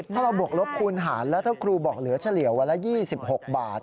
ถ้าเราบวกลบคูณหารแล้วถ้าครูบอกเหลือเฉลี่ยวันละ๒๖บาท